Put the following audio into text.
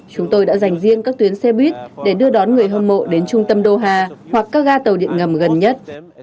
chúng tôi đã dành riêng các tuyến xe buýt để đưa đón người hâm mộ đến trung tâm doha hoặc các ga tàu điện ngầm gần nhất